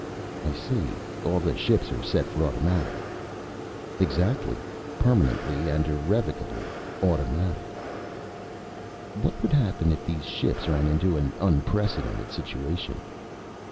"I see. All the ships are set for automatic." "Exactly. Permanently and irrevocably automatic." "What would happen if these ships ran into an unprecedented situation?"